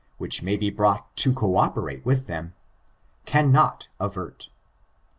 486 I 1 I which may be brought to co operate with them, cannot avert.